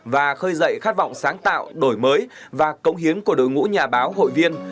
và khơi dậy khát vọng sáng tạo đổi mới và công hiến của đội ngũ nhà báo hội viên